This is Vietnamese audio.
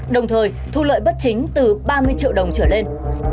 đồng thời thu lợi bất chính từ ba mươi triệu đồng trở lên